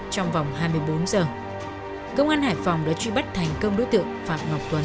trong vòng hai mươi bốn giờ công an hải phòng đã truy bắt thành công đối tượng phạm ngọc tuấn